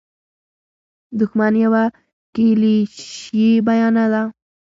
دوښمن یوه کلیشیي بیانیه ده.